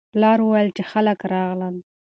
پلار وویل چې خلک راغلل.